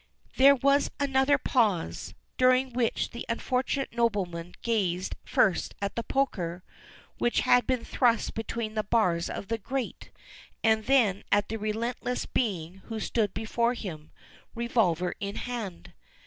There was another pause, during which the unfortunate nobleman gazed first at the poker, which had been thrust between the bars of the grate and then at the relentless being who stood before him, revolver in hand.